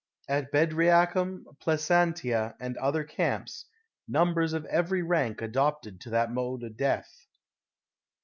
At Bedriacum, Placentia, and other <*arap8, numbers of every rank adopted that mode of death.